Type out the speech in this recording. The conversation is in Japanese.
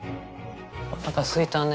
おなかすいたね。